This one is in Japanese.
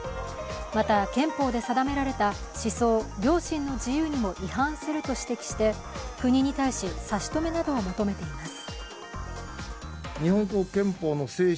また、憲法で定められた思想・良心の自由にも違反すると指摘して国に対し差し止めなどを求めています。